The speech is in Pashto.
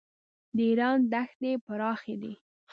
د ایران دښتې پراخې دي.